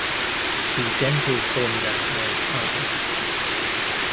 The dental formula was i.